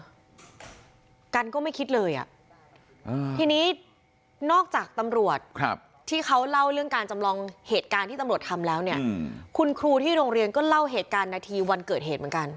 กันก็ไม่คิดเลยอ่ะทีนี้นอกจากตำรวจที่เขาเล่าเรื่องการจำลองเหตุการณ์ที่ตำรวจทำแล้วเนี่ยคุณครูที่โรงเรียนก็เล่าเหตุการณ์นาทีวันเกิดเหตุเหมือนกัน